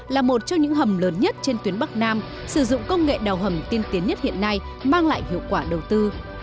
là một trong những hầm lớn nhất trên tuyến bắc nam sử dụng công nghệ đào hầm tiên tiến nhất hiện nay mang lại hiệu quả đầu tư